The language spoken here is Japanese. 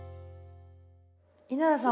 稲田さん